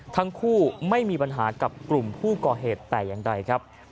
ทั้งคู่ไม่มีปัญหากับกลุ่มผู้ก่อเหตุแต่อย่างใดครับ